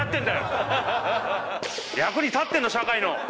役に立ってんの社会の！